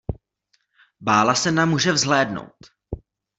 Bála se na muže vzhlédnout.